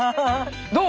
どう？